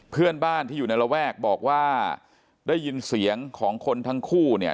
เพื่อนบ้านที่อยู่ในระแวกบอกว่าได้ยินเสียงของคนทั้งคู่เนี่ย